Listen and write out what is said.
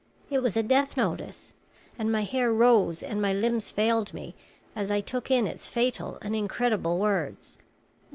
It was a death notice, and my hair rose and my limbs failed me as I took in its fatal and incredible words.